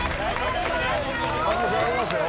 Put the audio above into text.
可能性ありますよ。